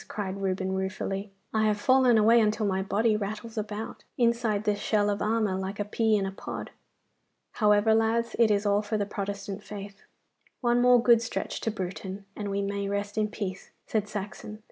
cried Reuben ruefully. 'I have fallen away until my body rattles about, inside this shell of armour, like a pea in a pod. However, lads, it is all for the Protestant faith.' 'One more good stretch to Bruton, and we may rest in peace,' said Saxon.